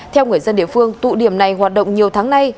theo người dân địa phương tụ điểm này hoạt động nhiều tháng nay